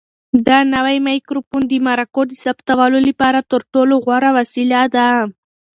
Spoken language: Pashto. دا نوی مایکروفون د مرکو د ثبتولو لپاره تر ټولو غوره وسیله ده.